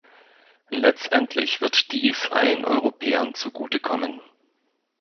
Letztendlich wird dies allen Europäern zugute kommen.